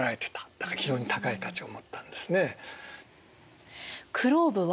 だから非常に高い価値を持ったんですね。